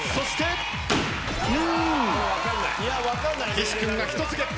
岸君が１つゲット。